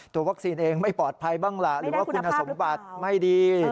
วัคซีนเองไม่ปลอดภัยบ้างล่ะหรือว่าคุณสมบัติไม่ดี